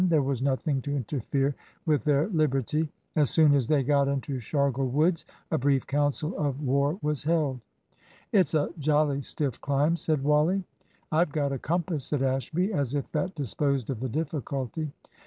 there was nothing to interfere with their liberty. As soon as they got into Shargle Woods a brief council of war was held. "It's a jolly stiff climb," said Wally. "I've got a compass," said Ashby, as if that disposed of the difficulty.